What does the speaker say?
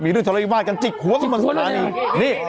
มีเรื่องจะอะไรบ้างกันจิกหัวของเหมาะขนาดนี้ค่ะนี่โอ้โหอ้อเปล่า